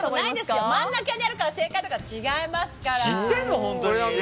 真ん中にあるから正解とか違いますから。